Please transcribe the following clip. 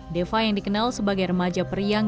deva yang dikenal sebagai remaja periang